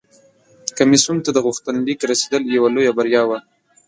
کمیسیون ته د غوښتنلیک رسیدل یوه لویه بریا وه